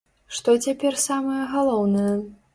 Што цяпер самае галоўнае?